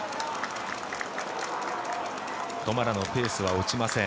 トマラのペースは落ちません。